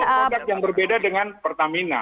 produk produk yang berbeda dengan pertamina